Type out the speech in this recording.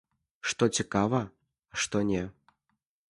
Што цікава, а што не.